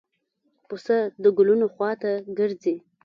پسه د ګلونو خوا ته ګرځي.